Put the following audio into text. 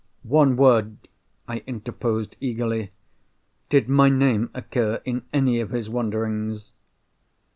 "One word!" I interposed eagerly. "Did my name occur in any of his wanderings?"